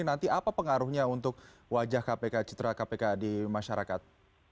nanti apa pengaruhnya untuk wajah kpk citra kpk di masyarakat